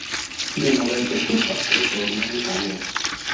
Non avrebbe più fatto ritorno in Italia.